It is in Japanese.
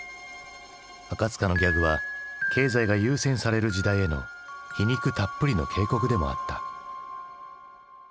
赤塚のギャグは経済が優先される時代への皮肉たっぷりの警告でもあった。